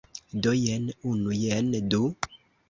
Do, jen unu jen du